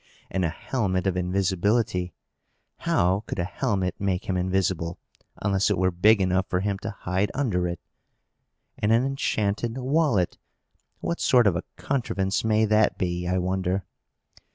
And a helmet of invisibility! How could a helmet make him invisible, unless it were big enough for him to hide under it? And an enchanted wallet! What sort of a contrivance may that be, I wonder?